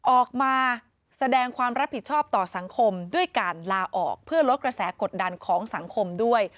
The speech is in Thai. ออกมาแสดงความรับผิดชอบต่อสังคมด้วยการลาออกเพื่อลดกระแสกดดันของสังคมด้วย